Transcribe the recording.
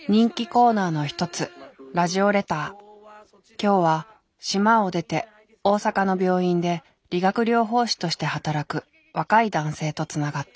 今日は島を出て大阪の病院で理学療法士として働く若い男性とつながった。